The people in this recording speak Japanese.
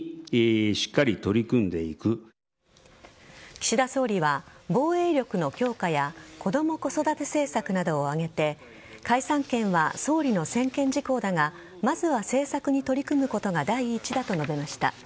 岸田総理は防衛力の強化や子ども・子育て政策などを挙げて解散権は総理の専権事項だがまずは政策に取り組むことが第一だと述べました。